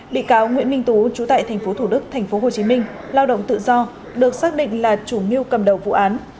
bị cáo nguyễn minh tú trú tại tp thủ đức tp hcm lao động tự do được xác định là chủ mưu cầm đầu vụ án